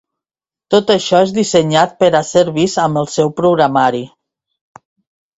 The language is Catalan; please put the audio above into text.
Tot això és dissenyat per a ser vist amb el seu programari.